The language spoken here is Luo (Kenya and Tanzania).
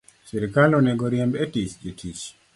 Sirkal onego riemb e tich jotich